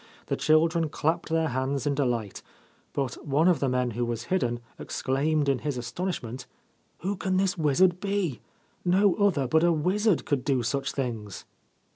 The children clapped their hands in delight ; but one of the men who was hidden exclaimed in his astonishment :' Who can this wizard be ? No other but a wizard could do such things